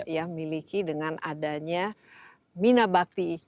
yang miliki dengan adanya minabakti